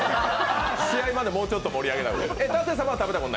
試合までもうちょっと盛り上げないと。